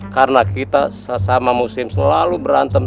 karena kita sesama musim selalu berantem